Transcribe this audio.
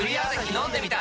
飲んでみた！